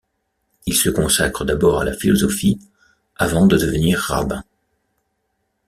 Il se consacre d’abord à la philosophie avant de devenir rabbin.